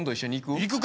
行くか。